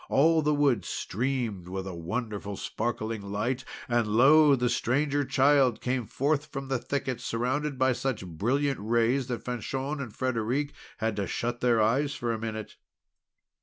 All the wood streamed with a wonderful sparkling light. And, lo! the Stranger Child came forth from the thicket, surrounded by such brilliant rays that Fanchon and Frederic had to shut their eyes for a minute.